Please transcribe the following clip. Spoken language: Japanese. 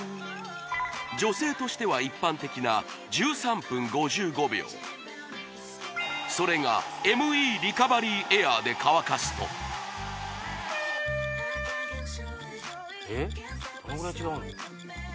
女性としては一般的な１３分５５秒それがＭＥリカバリーエアーで乾かすとえっどのぐらい違うの？